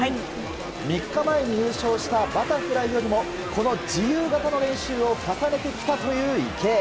３日前に優勝したバタフライよりもこの自由形の練習を重ねてきたという池江。